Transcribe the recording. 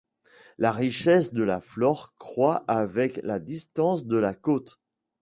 La richesse de la flore croit avec la distance de la côte.